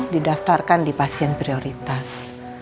didaftarkan di pasien prioritas